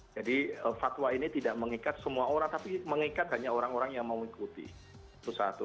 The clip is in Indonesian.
jadi fatwa ini tidak mengikat semua orang tapi mengikat hanya orang orang yang mau mengikuti itu satu